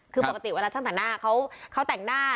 คือปกติเวลาช่างตัดหน้าเขาแต่งหน้า